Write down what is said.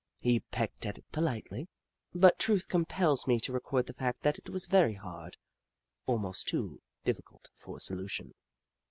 He pecked at it poHtely, but truth compels me to record the fact that it was very hard — almost too difficult for solution.